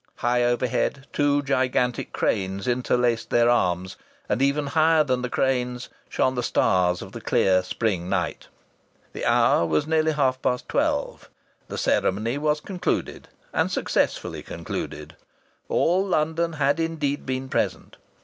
High overhead two gigantic cranes interlaced their arms; and, even higher than the cranes, shone the stars of the clear spring night. The hour was nearly half past twelve. The ceremony was concluded and successfully concluded. All London had indeed been present.